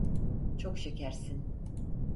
Çok şekersin.